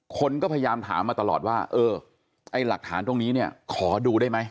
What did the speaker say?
คนก็พยายามถามมาตลอดว่าเออไอ้หลักฐานตรงนี้เนี่ยขอดูได้ไหม